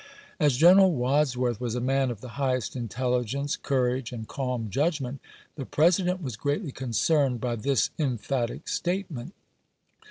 As General Wads worth was a man of the highest intelligence, courage, and calm judg ment, the President was greatly concerned by this emphatic statement.